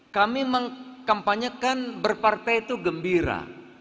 kami mengkampanyekan berpartai itu gembira